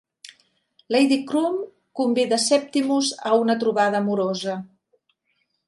Lady Croom convida Septimus a una trobada amorosa.